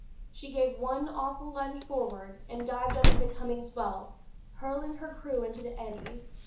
She gave one awful lunge forward, and dived under the coming swell, hurling her crew into the eddies.